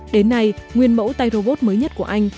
đến nay nguyên mẫu tay robot mới nhất của anh